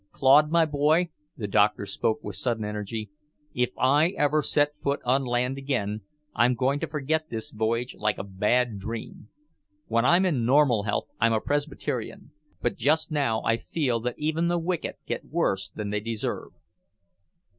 Claude, my boy," the doctor spoke with sudden energy, "if I ever set foot on land again, I'm going to forget this voyage like a bad dream. When I'm in normal health, I'm a Presbyterian, but just now I feel that even the wicked get worse than they deserve."